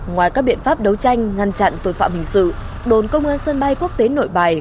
ngoài các biện pháp đấu tranh ngăn chặn tội phạm hình sự đồn công an sân bay quốc tế nội bài